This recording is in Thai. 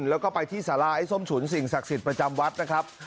แล้วก็ไปที่สาราไอ้ส้มฉุนสิ่งศักดิ์สิทธิ์ประจำวัดนะครับ